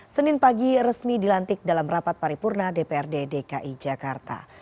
senin pagi resmi dilantik dalam rapat paripurna dprd dki jakarta